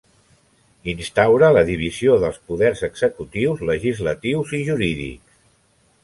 Instaura la divisió dels poders executius, legislatius i jurídics.